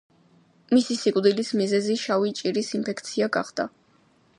მისი სიკვდილის მიზეზი შავი ჭირის ინფექცია გახდა.